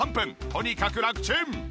とにかくラクチン！